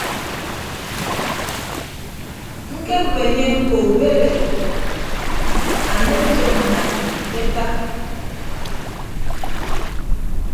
Ñkebịp enye mbo ubed e anye antop nyai nte ata.